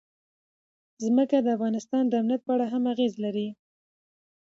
ځمکه د افغانستان د امنیت په اړه هم اغېز لري.